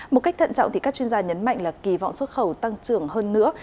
một cách thận trọng thì các chuyên gia nhấn mạnh là kỳ vọng xuất khẩu tăng trưởng hơn nữa